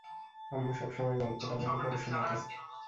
আম্মু সবসময় গল্পটা আমাকে পড়ে শোনাতো!